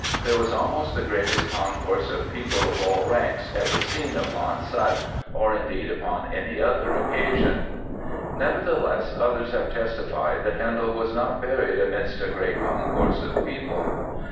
There was almost the greatest Concourse of People of all Ranks ever seen upon such, or indeed upon any other occasion." Nevertheless, others have testified that Handel was not "burried midst a great concourse of people."